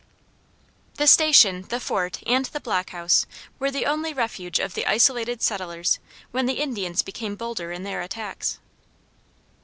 The station, the fort, and the block house were the only refuge of the isolated settlers when the Indians became bolder in their attacks.